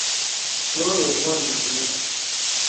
Flor was born in Vienna.